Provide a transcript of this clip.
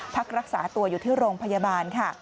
พักรักษาตัวอยู่ที่โรงพยาบาลค่ะ